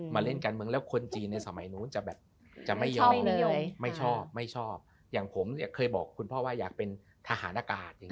แบบจะไม่ยอมไม่ชอบไม่ชอบอย่างผมเคยบอกคุณพ่อว่าอยากเป็นทหารกาศอย่าง